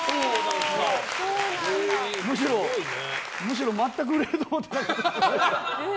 むしろ全く売れると思ってなかった。